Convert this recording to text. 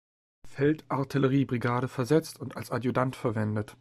Feldartillerie-Brigade versetzt und als Adjutant verwendet.